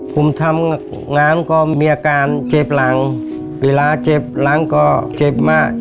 ผมทำงานก็มีอาการเจ็บหลังเวลาเจ็บหลังก็เจ็บมาก